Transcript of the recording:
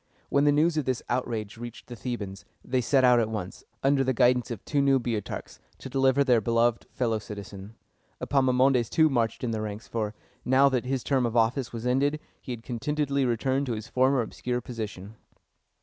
When the news of this outrage reached the Thebans, they set out at once, under the guidance of two new Boeotarchs, to deliver their beloved fellow citizen. Epaminondas, too, marched in the ranks; for, now that his term of office was ended, he had contentedly returned to his former obscure position.